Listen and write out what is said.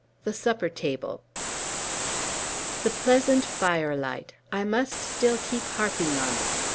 THE SUPPER TABLE The pleasant firelight! I must still keep harping on it.